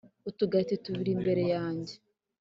Utugati tubiri imbere yanjye